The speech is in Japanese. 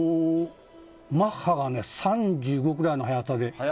マッハが３５くらいの速さで。